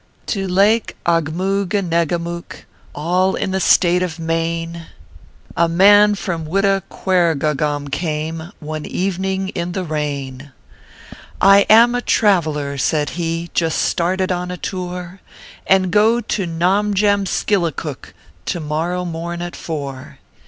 To Lake Aghmoogenegamook, All in the State of Maine, A man from "Wittequergaugaum came One evening in the rain. "I am a traveler," said he, " Just started on a tour, And go to Nomjamskillicook To morrow morn at four."